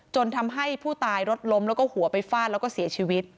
ทำให้ผู้ตายรถล้มแล้วก็หัวไปฟาดแล้วก็เสียชีวิต